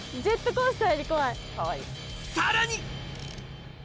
さらに！